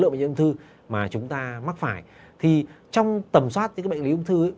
bước sáu tầm soát ung thư